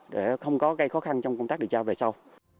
để không có gây khó khăn trong công tác địa trao về sau